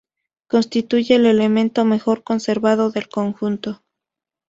Constituye el elemento mejor conservado del conjunto.